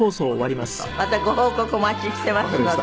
またご報告お待ちしてますので。